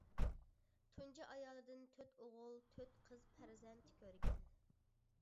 تۇنجى ئايالىدىن تۆت ئوغۇل، تۆت قىز پەرزەنت كۆرگەن.